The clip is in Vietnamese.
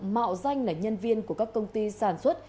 mạo danh là nhân viên của các công ty sản xuất